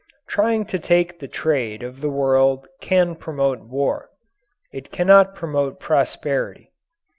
Trying to take the trade of the world can promote war. It cannot promote prosperity.